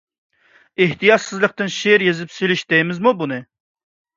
ئېھتىياتسىزلىقتىن شېئىر يېزىپ سېلىش دەيمىزمۇ بۇنى؟ !